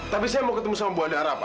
tapi saya mau ketemu sama bu ali nara pak